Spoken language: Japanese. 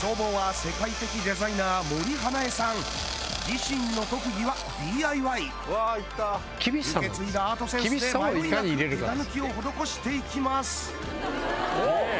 祖母は世界的デザイナー森英恵さん自身の特技はＤＩＹ受け継いだアートセンスで迷いなく枝抜きを施していきます